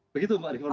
begitu mbak irvana